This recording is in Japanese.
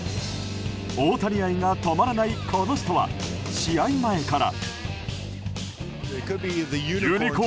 大谷愛が止まらない、この人は試合前から。